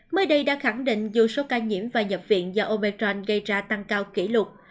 mới đây đã khẳng định dù số ca nhiễm và nhập viện do obertran gây ra tăng cao kỷ lục